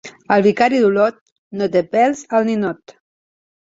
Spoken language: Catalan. El vicari d'Olot no té pèls al ninot.